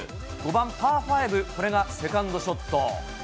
５番パー５、これがセカンドショット。